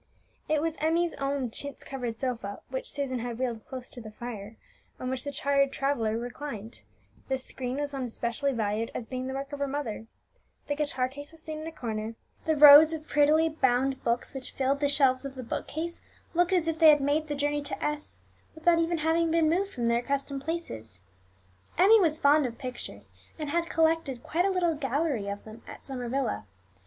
It was Emmie's own chintz covered sofa, which Susan had wheeled close to the fire, on which the tired traveller reclined; the screen was one specially valued as being the work of her mother; the guitar case was seen in a corner; the rows of prettily bound books which filled the shelves of the book case looked as if they had made the journey to S without even having been moved from their accustomed places. Emmie was fond of pictures, and had collected quite a little gallery of them at Summer Villa.